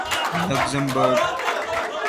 Luxembourg